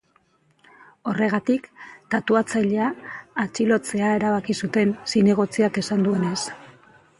Horregatik, tatuatzailea atxilotzea erabaki zuten, zinegotziak esan duenez.